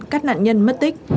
các nạn nhân mất tích